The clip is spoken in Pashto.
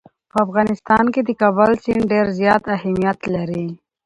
په افغانستان کې د کابل سیند ډېر زیات اهمیت لري.